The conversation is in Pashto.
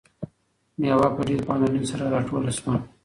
میوه په ډیرې پاملرنې سره راټوله شوه.